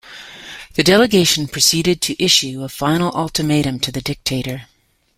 The delegation proceeded to issue a final ultimatum to the dictator.